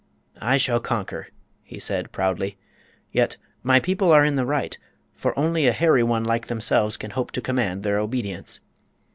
"I shall conquer," he said, proudly. "Yet my people are in the right, for only a hairy one like themselves can hope to command their obedience."